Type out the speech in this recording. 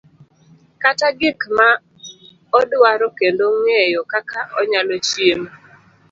kata gik ma odwaro kendo ng'eyo kaka onyalo chiemo.